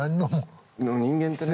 人間ってね